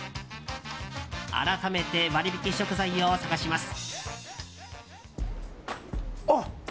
改めて割引き食材を探します。